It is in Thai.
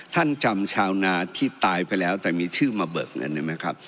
ท่านจำชาวนาที่ตายไปแล้วแต่มีชื่อมาเบิกเงินได้ไหมครับ